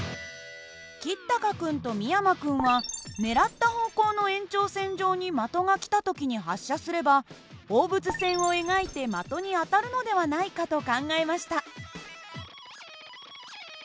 橘高君と美山君は狙った方向の延長線上に的が来た時に発射すれば放物線を描いて的に当たるのではないかと考えました。